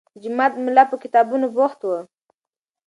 د جومات ملا په کتابونو بوخت و.